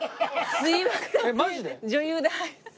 すみません。